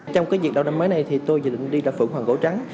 trong cái việc đầu năm mới này thì tôi dự định đi ra phượng hoàng cổ trắng